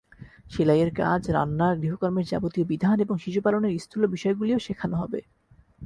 সেলাইয়ের কাজ, রান্না, গৃহকর্মের যাবতীয় বিধান এবং শিশুপালনের স্থূল বিষয়গুলিও শেখান হবে।